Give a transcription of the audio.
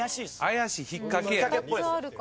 怪しい引っ掛けや。